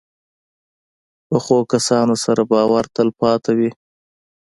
پخو کسانو سره باور تل پاتې وي